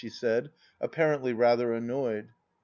" she said, appar ently rather annoyed.